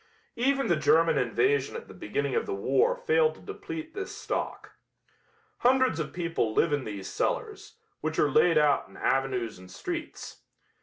Even the German invasion at the beginning of the war failed to deplete this stock. Hundreds of people live in these cellars, which are laid out in avenues and streets.